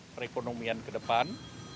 perekonomian ke depan